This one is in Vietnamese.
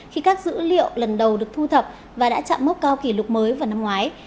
khi các dữ liệu lần đầu được thu thập và đã chạm mốc cao kỷ lục mới vào năm ngoái